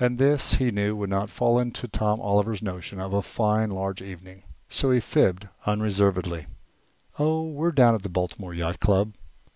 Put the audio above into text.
And this, he knew, would not fall in with Tom Oliver's notion of a "fine, large evening." So he fibbed unreservedly. "Oh! we're down to the Baltimore Yacht Club."